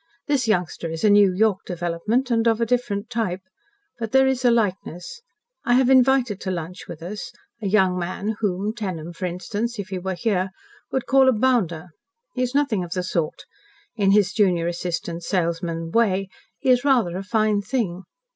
"This youngster is a New York development, and of a different type. But there is a likeness. I have invited to lunch with us, a young man whom Tenham, for instance, if he were here would call 'a bounder.' He is nothing of the sort. In his junior assistant salesman way, he is rather a fine thing.